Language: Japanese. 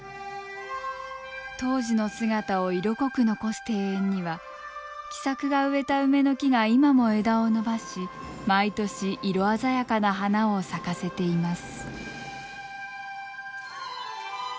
当時の姿を色濃く残す庭園には喜作が植えた梅の木が今も枝を伸ばし毎年色鮮やかな花を咲かせています。